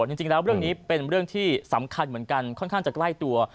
จริงแล้วเรื่องนี้เป็นเรื่องที่สำคัญเหมือนกันค่อนข้างจะใกล้ตัว